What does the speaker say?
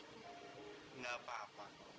itu enggak papa